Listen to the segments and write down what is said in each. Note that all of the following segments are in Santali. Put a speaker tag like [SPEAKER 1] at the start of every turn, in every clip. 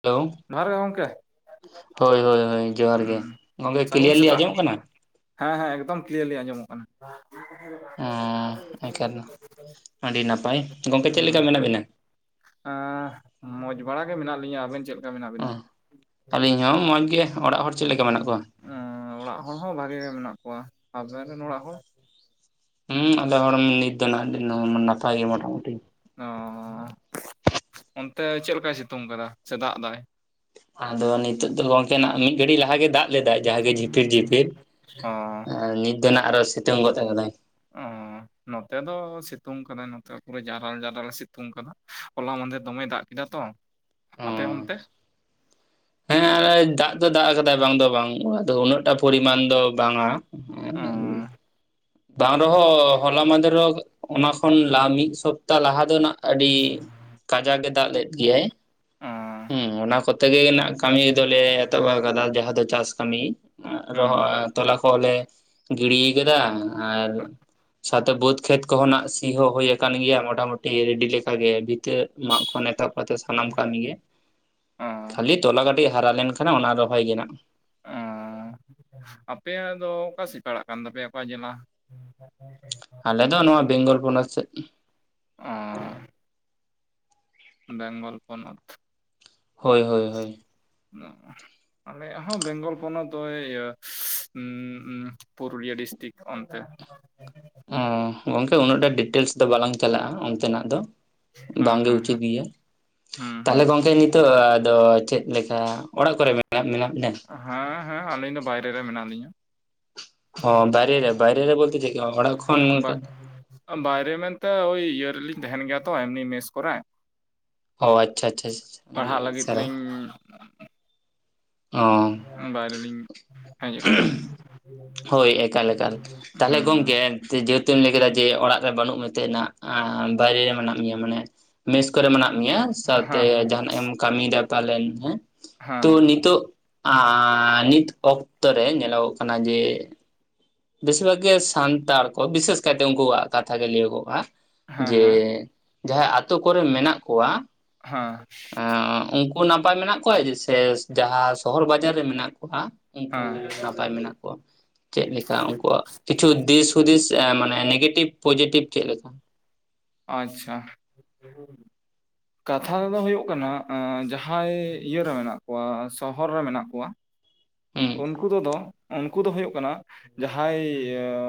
[SPEAKER 1] ᱦᱮᱞᱳ
[SPEAKER 2] ᱦᱟᱨ ᱜᱮ ᱜᱚᱝᱠᱮ
[SPEAKER 1] ᱦᱳᱭ ᱦᱳᱭ ᱦᱳᱭ ᱡᱚᱦᱟᱨ ᱜᱮ ᱜᱚᱢᱠᱮ
[SPEAKER 2] ᱥᱟᱹᱜᱩᱱ
[SPEAKER 1] ᱠᱞᱤᱭᱟᱨᱞᱤ
[SPEAKER 2] ᱥᱮᱛᱟᱜ
[SPEAKER 1] ᱟᱸᱡᱚᱢᱚᱜ ᱠᱟᱱᱟ
[SPEAKER 2] ᱦᱮᱸ ᱦᱮᱸ ᱮᱠᱫᱚᱢ ᱠᱞᱤᱭᱟᱨᱞᱤ ᱟᱡᱚᱢᱚᱜ ᱠᱟᱱᱟ
[SPEAKER 1] ᱚᱸ ᱮᱱᱠᱷᱟᱱ ᱟᱹᱰᱤ ᱱᱟᱯᱟᱭ ᱜᱚᱢᱠᱮ ᱪᱮᱫ ᱞᱮᱠᱟ ᱢᱮᱱᱟᱜ ᱵᱤᱱᱟ
[SPEAKER 2] ᱟᱸᱻᱟᱸ ᱢᱚᱡᱽ ᱵᱟᱲᱟ ᱜᱮ ᱢᱮᱱᱟᱜ ᱞᱤᱧᱟᱹ ᱟᱵᱮᱱ ᱪᱮᱫ ᱞᱮᱠᱟ ᱢᱮᱱᱟᱜ ᱵᱮᱱᱟ
[SPEAKER 1] ᱚ ᱟᱹᱞᱤᱧ ᱦᱚᱸ ᱢᱚᱡᱽ ᱜᱮ ᱚᱲᱟᱜ ᱦᱚᱲ ᱪᱮᱫ ᱞᱮᱠᱟ ᱢᱮᱱᱟᱜ ᱠᱚᱣᱟ
[SPEAKER 2] ᱚᱸᱻᱚᱸ ᱚᱲᱟᱜ ᱦᱚᱲ ᱦᱚᱸ ᱵᱷᱟᱜᱮ ᱜᱮ ᱢᱮᱱᱟᱜ ᱠᱚᱣᱟ ᱟᱵᱮᱱ ᱨᱮᱱ ᱚᱲᱟᱜ ᱦᱚᱲ
[SPEAKER 1] ᱦᱩᱸ ᱟᱫᱚ [unintelligible] ᱞᱮᱭᱮᱫ ᱛᱟᱦᱮᱱᱟ ᱱᱟᱯᱟᱭ ᱢᱚᱴᱟ ᱢᱩᱴᱤ
[SPEAKER 2] ᱚᱸ ᱚᱱᱛᱮ ᱪᱮᱫ ᱞᱮᱠᱟᱭ ᱥᱤᱛᱩᱝ ᱠᱟᱫᱟ ᱥᱮ ᱫᱟᱜ ᱫᱟᱭ
[SPEAKER 1] ᱟᱫᱚ ᱱᱤᱛᱚᱜ ᱫᱚ ᱜᱚᱝᱠᱮ ᱱᱟᱜ ᱢᱤᱫ ᱜᱷᱟᱹᱲᱤ ᱞᱟᱦᱟ ᱜᱮ ᱫᱟᱜ ᱞᱮᱫᱟᱭ ᱡᱟᱦᱟᱸ ᱜᱮ ᱡᱷᱤᱯᱤᱨ ᱡᱷᱤᱯᱤᱨ
[SPEAKER 2] ᱚ
[SPEAKER 1] ᱱᱤᱛ ᱫᱚ ᱱᱟᱜ ᱟᱨᱦᱚ ᱥᱤᱛᱩᱝ ᱜᱚᱫ ᱠᱟᱫᱟᱭ
[SPEAKER 2] ᱚᱸ ᱱᱚᱛᱮ ᱫᱚ ᱥᱤᱛᱩᱝ ᱠᱟᱫᱟᱭ ᱱᱚᱛᱮ ᱯᱩᱨᱟᱹ ᱡᱟᱨᱟᱞ ᱡᱟᱨᱟᱞᱮ ᱥᱤᱛᱩᱝ ᱠᱟᱫᱟ ᱦᱚᱞᱟ ᱢᱟᱫᱷᱮᱨ ᱫᱚᱢᱮ ᱫᱟᱜ ᱠᱮᱫᱟ ᱛᱚ ᱟᱯᱮ ᱚᱱᱛᱮ
[SPEAKER 1] ᱦᱮᱸ ᱫᱟᱜ ᱫᱚ ᱫᱟᱜ ᱠᱟᱫᱟᱭ ᱵᱟᱝ ᱫᱚ ᱵᱟᱝ ᱟᱫᱚ ᱩᱱᱟᱹᱜ ᱴᱟ ᱯᱚᱨᱤᱢᱟᱱ ᱫᱚ ᱵᱟᱝ ᱟ
[SPEAKER 2] ᱚ
[SPEAKER 1] ᱵᱟᱝ ᱨᱮᱦᱚᱸ ᱦᱚᱞᱟ ᱢᱟᱸᱫᱷᱮᱨ ᱦᱚᱸ ᱚᱱᱟ ᱠᱷᱚᱱ ᱞᱟ ᱢᱤᱫ ᱥᱚᱯ ᱛᱟ ᱞᱟᱦᱟ ᱫᱚ ᱱᱟᱜ ᱟᱹᱰᱤ ᱠᱟᱡᱟᱠ ᱜᱮ ᱫᱟᱜ ᱞᱮᱫ ᱜᱮᱭᱟᱭ
[SPEAKER 2] ᱚ
[SPEAKER 1] ᱦᱮᱸ ᱚᱱᱟ ᱠᱚᱛ ᱛᱮᱜᱮ ᱱᱟᱜ ᱠᱟᱹᱢᱤ ᱫᱚᱞᱮ ᱮᱛᱚᱦᱚᱵ ᱠᱟᱫᱟ ᱡᱟᱦᱟᱸ ᱫᱚ ᱪᱟᱥ ᱠᱟᱹᱢᱤ
[SPEAKER 2] ᱦᱩᱸ
[SPEAKER 1] ᱨᱚᱦᱚᱭ ᱛᱚᱞᱟ ᱠᱚᱞᱮ ᱜᱤᱲᱤ ᱠᱟᱫᱟ ᱟᱨ ᱱᱟᱛᱮ ᱵᱟᱹᱫᱽ ᱠᱷᱮᱛ ᱠᱚᱦᱚᱸ ᱱᱟᱜ ᱥᱤ ᱦᱚᱸ ᱦᱩᱭ ᱠᱟᱱ ᱜᱮᱭᱟ ᱢᱚᱴᱟ ᱢᱩᱴᱤ ᱨᱮᱰᱤ ᱞᱮᱠᱟᱜᱮ ᱵᱷᱤᱛᱟᱹ ᱢᱟᱜ ᱠᱷᱚᱱ ᱮᱛᱚᱦᱚᱵ ᱱᱚᱛᱮ ᱥᱟᱱᱟᱢ ᱠᱟᱹᱢᱤ ᱜᱮ
[SPEAKER 2] ᱚ
[SPEAKER 1] ᱠᱷᱟᱹᱞᱤ ᱛᱚᱞᱟ ᱠᱟᱹᱴᱤᱡ ᱦᱟᱨᱟ ᱞᱮᱱ ᱠᱷᱟᱱ ᱚᱱᱟ ᱨᱚᱦᱚᱭ ᱜᱮ ᱱᱟᱜ
[SPEAKER 2] ᱚᱸ ᱟᱯᱮᱭᱟᱜ ᱫᱚ ᱚᱠᱟ ᱥᱮ ᱯᱟᱲᱟᱜ ᱠᱟᱱ ᱛᱟᱯᱮᱭᱟ ᱚᱠᱟ ᱡᱮᱞᱟ
[SPEAKER 1] ᱟᱞᱮ ᱫᱚ ᱱᱚᱣᱟ ᱵᱮᱝᱜᱚᱞ ᱯᱚᱱᱚᱛ ᱥᱮᱫ
[SPEAKER 2] ᱚᱸ ᱵᱮᱝᱜᱚᱞ ᱯᱚᱱᱚᱛ
[SPEAKER 1] ᱦᱳᱭ ᱦᱳᱭ ᱦᱳᱭ
[SPEAKER 2] ᱟᱞᱮᱭᱟᱜ ᱦᱚᱸ ᱵᱮᱝᱜᱚᱞ ᱯᱚᱱᱚᱛ ᱤᱭᱟᱹ ᱦᱩᱸ ᱯᱩᱨᱩᱞᱤᱭᱟᱹ ᱰᱤᱥᱴᱤᱠ ᱚᱱᱛᱮ
[SPEAKER 1] ᱚᱸ ᱜᱚᱝᱠᱮ ᱩᱱᱟᱹᱜ ᱴᱟ ᱰᱤᱴᱮᱞᱥ ᱫᱚ ᱵᱟᱞᱟᱝ ᱪᱟᱞᱟᱜᱼᱟ ᱚᱱᱛᱮ ᱱᱟᱜ ᱫᱚ
[SPEAKER 2] ᱦᱮᱸ
[SPEAKER 1] ᱵᱟᱝ ᱜᱮ
[SPEAKER 2] ᱦᱮᱸ
[SPEAKER 1] ᱩᱪᱤᱛ
[SPEAKER 2] ᱦᱮᱸ
[SPEAKER 1] ᱜᱮᱭᱟ
[SPEAKER 2] ᱦᱩᱸ
[SPEAKER 1] ᱛᱟᱦᱚᱞᱮ
[SPEAKER 2] ᱦᱩᱸ
[SPEAKER 1] ᱜᱚᱝᱠᱮ ᱱᱤᱛᱚᱜ ᱟᱫᱚ ᱪᱮᱫ ᱞᱮᱠᱟ ᱚᱲᱟᱜ ᱠᱚᱨᱮ ᱢᱮᱱᱟᱜ ᱵᱤᱱᱟ
[SPEAKER 2] ᱦᱮᱸ ᱦᱮᱸ ᱟᱹᱞᱤᱧ ᱫᱚ ᱵᱟᱭᱨᱮ ᱨᱮ ᱢᱮᱱᱟᱜ ᱞᱤᱧᱟ
[SPEAKER 1] ᱚᱸ ᱵᱟᱭ ᱨᱮ ᱵᱟᱭ ᱨᱮ ᱵᱚᱞᱛᱮ ᱪᱮᱫᱠᱟ ᱚᱲᱟᱜ ᱠᱷᱚᱱ
[SPEAKER 2] ᱵᱟᱭᱨᱮ ᱢᱮᱱᱛᱮ ᱳᱭ ᱤᱭᱟᱹ ᱨᱮᱞᱤᱧ ᱛᱟᱸᱦᱮᱱ ᱜᱮᱭᱟ ᱛᱚ ᱮᱢᱱᱤ ᱢᱮᱥ ᱠᱚᱨᱮ
[SPEAKER 1] ᱚ ᱟᱪᱪᱷᱟ ᱟᱪᱪᱷᱟ [unintelligible]
[SPEAKER 2] ᱦᱩᱸ
[SPEAKER 1] ᱦᱚᱸ
[SPEAKER 2] ᱵᱟᱭᱨᱮ ᱞᱤᱧ ᱦᱮᱡ ᱟᱠᱟᱱᱟ
[SPEAKER 1] ᱦᱳᱭ ᱮᱠᱟᱞ ᱮᱠᱟᱞ ᱛᱟᱦᱞᱮ
[SPEAKER 2] ᱦᱩᱸ
[SPEAKER 1] ᱜᱚᱝᱠᱮ ᱡᱮᱦᱮᱛᱩ ᱞᱟᱹᱭ ᱠᱮᱫᱟ ᱡᱮ ᱚᱲᱟᱜ ᱨᱮ ᱵᱟᱹᱱᱩᱜ ᱢᱮᱛᱮ ᱱᱟᱜ ᱵᱟᱭᱨᱮ ᱨᱮ ᱢᱮᱱᱟᱜ ᱢᱮᱭᱟ ᱢᱟᱱᱮ ᱢᱮᱥ ᱠᱚᱨᱮ ᱢᱮᱱᱟᱜ ᱢᱮᱭᱟ ᱥᱟᱶᱛᱮ
[SPEAKER 2] ᱦᱮᱸ ᱦᱮᱸ
[SPEAKER 1] ᱡᱟᱸᱦᱟᱱᱟᱜ ᱮᱢ ᱠᱟᱹᱢᱤᱭ ᱫᱟ ᱯᱟᱞᱮᱱ ᱦᱮᱸ ᱛᱳ ᱱᱤ
[SPEAKER 2] ᱦᱮᱸ
[SPEAKER 1] ᱱᱤᱛᱚᱜ ᱟᱸ ᱱᱤᱛ ᱚᱠᱛᱚ ᱨᱮ ᱧᱮᱞᱚ ᱜᱚᱜ ᱠᱟᱱᱟ ᱡᱮ ᱵᱮᱥᱤᱨ ᱵᱷᱟᱜ ᱜᱮ ᱥᱟᱱᱛᱟᱲ ᱠᱚ ᱵᱤᱥᱮᱥ ᱠᱟᱭᱛᱮ ᱩᱱᱠᱩᱣᱟᱜ ᱠᱟᱛᱷᱟ ᱜᱮ ᱞᱟᱹᱭᱚᱜᱚᱜᱼᱟ ᱡᱮ
[SPEAKER 2] ᱦᱮᱸ
[SPEAKER 1] ᱡᱟᱦᱟᱸᱭ ᱟᱛᱳ ᱠᱚᱨᱮ ᱢᱮᱱᱟᱜ ᱠᱚᱣᱟ
[SPEAKER 2] ᱦᱮᱸ
[SPEAKER 1] ᱩᱱᱠᱩ ᱱᱟᱯᱟᱭ ᱢᱮᱱᱟᱜ ᱠᱚᱣᱟ ᱡᱮ ᱥᱮ ᱡᱟᱦᱟᱸ ᱥᱚᱦᱚᱨ ᱵᱟᱡᱟᱨ ᱨᱮ ᱢᱮᱱᱟᱜ ᱠᱚᱣᱟ ᱩᱱᱠᱩ
[SPEAKER 2] ᱦᱮᱸ ᱦᱮᱸ
[SPEAKER 1] ᱱᱟᱯᱟᱭ ᱢᱮᱱᱟᱜ ᱠᱚᱣᱟ ᱪᱮᱫ ᱞᱮᱠᱟ ᱩᱱᱠᱩᱣᱟᱜ ᱠᱤᱪᱷᱩ ᱫᱤᱥ ᱦᱩᱫᱤᱥ ᱢᱟᱱᱮ ᱱᱮᱜᱮᱴᱤᱵᱷ ᱯᱚᱡᱮᱴᱤᱵᱷ ᱪᱮᱫ ᱞᱮᱠᱟ
[SPEAKER 2] ᱟᱪᱪᱷᱟ [unintelligible] ᱠᱟᱛᱷᱟ ᱫᱚ ᱦᱩᱭᱩᱜ ᱠᱟᱱᱟ ᱡᱟᱦᱟᱭ ᱤᱭᱟᱹᱨᱮ ᱢᱮᱱᱟᱜ ᱠᱚᱣᱟ ᱥᱚᱦᱚᱨ ᱨᱮ ᱢᱮᱱᱟᱜ ᱠᱚᱣᱟ
[SPEAKER 1] ᱦᱩᱸ
[SPEAKER 2] ᱩᱱᱠᱩ ᱠᱚᱫᱚ ᱩᱱᱠᱩ ᱫᱚ ᱦᱩᱭᱩᱜ ᱠᱟᱱᱟ ᱡᱟᱦᱟᱸᱭ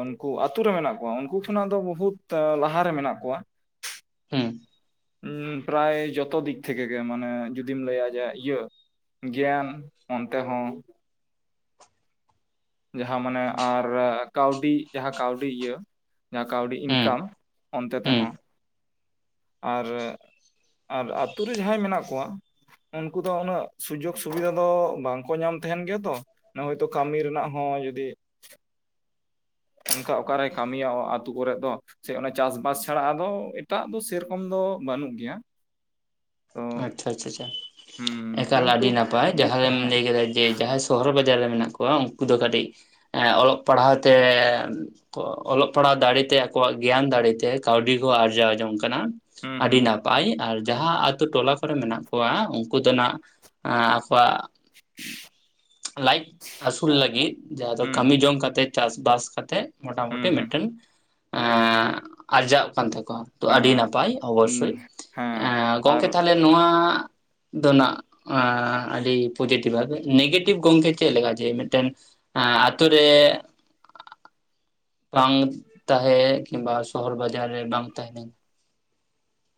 [SPEAKER 2] ᱩᱱᱠᱩ ᱟᱹᱛᱩ ᱨᱮ ᱢᱮᱱᱟᱜ ᱠᱚᱣᱟ ᱩᱱᱠᱩ ᱠᱷᱚᱱᱟᱜ ᱫᱚ ᱵᱚᱦᱩᱛ ᱞᱟᱦᱟ ᱨᱮ ᱢᱮᱱᱟᱜ ᱠᱚᱣᱟ
[SPEAKER 1] ᱦᱩᱸ
[SPEAKER 2] ᱩᱸ ᱯᱨᱟᱭ ᱡᱚᱛᱚ ᱫᱤᱠ ᱛᱷᱮᱠᱮ ᱜᱮ ᱢᱟᱱᱮ ᱡᱩᱫᱤᱢ ᱞᱟᱹᱭᱟ ᱡᱮ ᱤᱭᱟᱹ ᱜᱮᱭᱟᱱ ᱚᱱᱛᱮ ᱦᱚᱸ ᱡᱟᱦᱟᱸ ᱢᱟᱱᱮ ᱟᱨ ᱠᱟᱹᱣᱰᱤ ᱡᱟᱦᱟᱸ ᱠᱟᱹᱣᱰᱤ ᱤᱭᱟᱹ ᱡᱟᱦᱟᱸ ᱠᱟᱹᱣᱰᱤ
[SPEAKER 1] ᱦᱩᱸ
[SPEAKER 2] ᱤᱱᱠᱟᱢ ᱚᱱᱛᱮ
[SPEAKER 1] ᱦᱩᱸ
[SPEAKER 2] ᱛᱮᱦᱚᱸ ᱟᱨ ᱟᱨ ᱟᱹᱛᱩ ᱨᱮ ᱡᱟᱸᱦᱟᱭ ᱢᱮᱱᱟᱜ ᱠᱚᱣᱟ ᱩᱱᱠᱩ ᱫᱚ ᱩᱱᱟᱹᱜ ᱥᱩᱡᱳᱜ ᱥᱩᱵᱤᱫᱷᱟ ᱫᱚ ᱵᱟᱝ ᱠᱚ ᱧᱟᱢ ᱛᱟᱸᱦᱮᱱ ᱜᱮᱭᱟ ᱛᱚ ᱱᱚᱜᱼᱚᱭ ᱛᱚ ᱠᱟᱹᱢᱤ ᱨᱮᱱᱟᱜ ᱦᱚᱸ ᱡᱩᱫᱤ ᱚᱝᱠᱟ ᱚᱠᱟᱨᱮ ᱠᱟᱹᱢᱤᱭᱟ ᱟᱹᱛᱩ ᱠᱚᱨᱮᱜ ᱫᱚ ᱥᱮ ᱚᱱᱟ ᱪᱟᱥᱵᱟᱥ ᱪᱷᱟᱲᱟ ᱟᱫᱚ ᱮᱴᱟᱜ ᱫᱚ ᱥᱮᱨᱚᱠᱚᱢ ᱫᱚ ᱵᱟᱹᱱᱩᱜ ᱜᱮᱭᱟ ᱛᱚ
[SPEAKER 1] ᱟᱪᱪᱷᱟ ᱪᱷᱟ ᱪᱷᱟ
[SPEAKER 2] ᱦᱩᱸ
[SPEAKER 1] ᱮᱠᱟᱞ
[SPEAKER 2] ᱠᱤᱱᱛᱩ
[SPEAKER 1] ᱟᱹᱰᱤ ᱱᱟᱯᱟᱭ
[SPEAKER 2] ᱡᱩ
[SPEAKER 1] ᱡᱟᱦᱟ ᱜᱮᱢ
[SPEAKER 2] ᱦᱮᱸ
[SPEAKER 1] ᱞᱟᱹᱭ ᱠᱮᱫᱟ ᱡᱮ ᱥᱚᱦᱚᱨ ᱵᱟᱡᱟᱨ ᱨᱮ ᱢᱮᱱᱟᱜ ᱠᱚᱣᱟ ᱩᱱᱠᱩ ᱫᱚ ᱠᱟᱹᱴᱤᱡ ᱚᱞᱚᱜ ᱯᱟᱲᱦᱟᱣ ᱛᱮ ᱠᱚ ᱚᱞᱚᱜ ᱯᱟᱲᱦᱟᱣ ᱫᱟᱲᱮᱛᱮ ᱟᱠᱚᱣᱟᱜ ᱜᱮᱭᱟᱱ ᱫᱟᱲᱮᱛᱮ ᱠᱟᱹᱣᱰᱤ ᱠᱚ ᱟᱨᱡᱟᱣ ᱡᱚᱝ ᱠᱟᱱᱟ
[SPEAKER 2] ᱦᱩᱸ
[SPEAKER 1] ᱟᱰᱤ
[SPEAKER 2] ᱦᱩᱸ
[SPEAKER 1] ᱱᱟᱯᱟᱭ ᱟᱨ ᱡᱟᱦᱟ ᱟᱛᱩ ᱴᱚᱞᱟ ᱠᱚᱨᱮ ᱢᱮᱱᱟᱜ ᱠᱚᱣᱟ ᱩᱱᱠᱩ ᱫᱚ ᱱᱟᱜ ᱟᱠᱚᱣᱟᱜ ᱞᱟᱭᱤᱯ ᱟᱹᱥᱩᱞ ᱞᱟᱹᱜᱤᱫ ᱡᱟᱦᱟ ᱫᱚ
[SPEAKER 2] ᱦᱩᱸ
[SPEAKER 1] ᱠᱟᱹᱢᱤ ᱡᱚᱝ ᱠᱟᱛᱮᱜ ᱪᱟᱥᱵᱟᱥ ᱠᱟᱛᱮᱜ ᱢᱚᱴᱟᱢᱩᱴᱤ
[SPEAKER 2] ᱦᱩᱸ ᱦᱩᱸ
[SPEAKER 1] ᱢᱤᱫᱴᱟᱹᱱ ᱟᱨᱡᱟᱜ ᱠᱟᱱ ᱛᱟᱠᱚᱣᱟ ᱛᱚ ᱟᱹᱰᱤ
[SPEAKER 2] ᱦᱮᱸ
[SPEAKER 1] ᱱᱟᱯᱟᱭ
[SPEAKER 2] ᱩᱸ
[SPEAKER 1] ᱚᱵᱚᱥᱥᱳᱭ ᱮ
[SPEAKER 2] ᱦᱮᱸ ᱟᱨ
[SPEAKER 1] ᱜᱚᱝᱠᱮ ᱛᱟᱦᱞᱮ ᱱᱚᱣᱟ ᱫᱚ ᱱᱟᱜ ᱟᱹᱰᱤ ᱯᱚᱡᱮᱴᱤᱵ ᱱᱮᱜᱮᱴᱤᱵᱷ ᱜᱚᱝᱠᱮ ᱪᱮᱫ ᱞᱮᱠᱟ ᱡᱮ ᱢᱤᱫᱴᱟᱹᱱ ᱮᱸ ᱟᱛᱩ ᱨᱮ ᱵᱟᱝ ᱛᱟᱦᱮ ᱠᱤᱝᱵᱟ ᱥᱚᱦᱚᱨ ᱵᱟᱡᱟᱨ ᱨᱮ ᱵᱟᱢ ᱛᱟᱦᱮᱸ ᱞᱮᱝ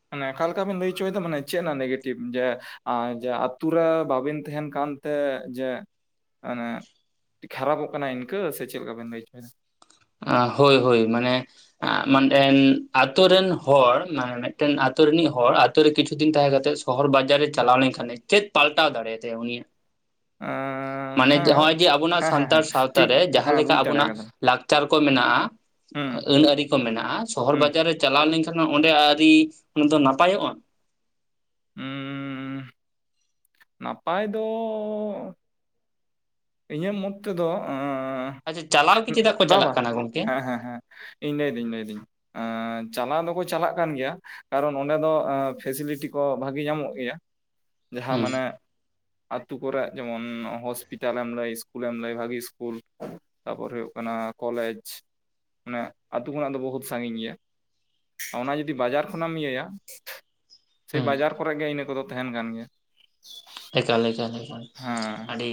[SPEAKER 2] ᱢᱟᱱᱮ ᱟᱠᱟᱞᱮᱠᱟ ᱵᱤᱱ ᱞᱟᱹᱭ ᱚᱪᱚᱭᱮᱫᱟ ᱢᱟᱱᱮ ᱪᱮᱫ ᱱᱟᱜ ᱱᱮᱜᱮᱴᱤᱵᱷ ᱡᱮ ᱟᱨ ᱡᱮ ᱟᱛᱩ ᱨᱮ ᱵᱟᱵᱤᱱ ᱛᱟᱦᱮᱸᱱ ᱠᱟᱱᱛᱮ ᱡᱮ ᱢᱟᱱᱮ ᱠᱷᱟᱨᱟᱯᱚᱜ ᱠᱟᱱᱟ ᱤᱱᱠᱟᱹ ᱥᱮ ᱪᱮᱫ ᱞᱮᱠᱟ ᱵᱮᱱ ᱞᱟᱹᱭ ᱪᱚᱟ ᱫᱟ
[SPEAKER 1] ᱦᱳᱭ ᱦᱳᱭ ᱢᱟᱱᱮ ᱟ ᱢᱟᱱᱮᱱ ᱟᱛᱳ ᱨᱮᱱ ᱦᱚᱲ ᱢᱟᱱᱮ ᱢᱤᱫᱴᱟᱝ ᱟᱛᱩ ᱨᱤᱱᱤᱡ ᱦᱚᱲ ᱟᱛᱚ ᱨᱮ ᱠᱤᱪᱷᱩ ᱫᱤᱱ ᱛᱟᱦᱮᱸ ᱠᱟᱛᱮᱜ ᱥᱚᱦᱚᱨ ᱵᱟᱡᱟᱨᱮ ᱪᱟᱞᱟᱣ ᱞᱮᱱᱠᱷᱟᱱᱮ ᱪᱮᱫ ᱯᱟᱞᱴᱟᱣ ᱫᱟᱲᱮᱭᱟ ᱛᱟᱭᱟ ᱩᱱᱤᱭᱟᱜ
[SPEAKER 2] ᱮᱸ
[SPEAKER 1] ᱢᱟᱱᱮ
[SPEAKER 2] ᱦᱮᱸ
[SPEAKER 1] ᱱᱚᱜᱼᱚᱭ ᱡᱮ ᱟᱵᱚᱱᱟᱜ
[SPEAKER 2] ᱦᱮᱸ ᱦᱮᱸ
[SPEAKER 1] ᱥᱟᱱᱛᱟᱲ
[SPEAKER 2] ᱦᱮᱸ
[SPEAKER 1] ᱥᱟᱶᱛᱟ
[SPEAKER 2] ᱴᱷᱤᱠ
[SPEAKER 1] ᱨᱮ ᱡᱟᱦᱟ
[SPEAKER 2] ᱦᱮᱸ
[SPEAKER 1] ᱞᱮᱠᱟ
[SPEAKER 2] ᱵᱩᱡᱽ ᱫᱟᱲᱮ
[SPEAKER 1] ᱟᱵᱚᱱᱟᱜ
[SPEAKER 2] ᱠᱟᱫᱟ
[SPEAKER 1] ᱞᱟᱠᱪᱟᱨ ᱠᱚ ᱢᱮᱱᱟᱜᱼᱟ
[SPEAKER 2] ᱦᱩᱸ
[SPEAKER 1] ᱟᱹᱱᱟᱹᱨᱤ ᱠᱚ ᱢᱮᱱᱟᱜᱼᱟ ᱥᱚᱦᱚᱨ
[SPEAKER 2] ᱦᱩᱸ
[SPEAKER 1] ᱵᱟᱡᱟᱨ ᱨᱮ ᱪᱟᱞᱟᱣ ᱞᱮᱱᱠᱷᱟᱱ ᱚᱸᱰᱮ ᱟᱹᱨᱤ ᱫᱚ ᱱᱟᱯᱟᱭᱚᱜᱼᱟ
[SPEAKER 2] ᱩᱸᱻ ᱱᱟᱯᱟᱭ ᱫᱚ ᱤᱧᱟᱜ ᱢᱚᱛ ᱛᱮᱫᱚ
[SPEAKER 1] ᱟᱪᱪᱷᱟ ᱪᱟᱞᱟᱣ ᱜᱮ ᱪᱮᱫᱟᱜ ᱠᱚ
[SPEAKER 2] ᱵᱟᱼᱵᱟ
[SPEAKER 1] ᱪᱟᱞᱟᱜ ᱠᱟᱱᱟ ᱜᱚᱝᱠᱮ
[SPEAKER 2] ᱦᱮᱸ ᱦᱮᱸ ᱦᱮᱸ ᱤᱧ ᱞᱟᱹᱭ ᱫᱟᱹᱧ ᱞᱟᱹᱭ ᱫᱟᱹᱧ ᱪᱟᱞᱟᱣ ᱫᱚᱠᱚ ᱪᱟᱞᱟᱜ ᱠᱟᱱ ᱜᱮᱭᱟ ᱠᱟᱨᱚᱱ ᱚᱸᱰᱮ ᱫᱚ ᱯᱷᱮᱥᱤᱞᱤᱴᱤ ᱠᱚ ᱵᱷᱟᱹᱜᱤ ᱧᱟᱢᱚᱜ ᱜᱮᱭᱟ ᱡᱟᱦᱟ
[SPEAKER 1] ᱦᱩᱸ
[SPEAKER 2] ᱢᱟᱱᱮ ᱟᱹᱛᱩ ᱠᱚᱨᱮᱜ ᱡᱮᱢᱚᱱ ᱦᱚᱥᱯᱤᱴᱟᱞ [unintelligible] ᱞᱟᱹᱭ ᱤᱥᱠᱩᱞᱮᱢ ᱞᱟᱹᱭ ᱵᱷᱟᱜᱤ ᱤᱥᱠᱩᱞ ᱛᱟᱯᱚᱨ ᱦᱩᱭᱩᱜ ᱠᱟᱱᱟ ᱠᱚᱞᱮᱡᱽ ᱢᱟᱱᱮ ᱟᱹᱛᱩ ᱠᱷᱚᱱᱟᱜ ᱫᱚ ᱵᱚᱦᱩᱛ ᱥᱟᱸᱜᱤᱧ ᱜᱮᱭᱟ ᱚᱱᱟ ᱡᱩᱫᱤ ᱵᱟᱡᱟᱨ ᱠᱷᱚᱱᱟᱜᱢ ᱤᱭᱟᱹᱭᱟ ᱥᱮ
[SPEAKER 1] ᱦᱩᱸ
[SPEAKER 2] ᱵᱟᱡᱟᱨ ᱠᱚᱨᱮ ᱜᱮ ᱤᱱᱟᱹ ᱠᱚᱫᱚ ᱛᱟᱦᱮᱸᱱ ᱠᱟᱱ ᱜᱮᱭᱟ
[SPEAKER 1] ᱮᱠᱟᱞ ᱮᱠᱟᱞ ᱮᱠᱟᱞ
[SPEAKER 2] ᱦᱮᱸ
[SPEAKER 1] ᱟᱹᱰᱤ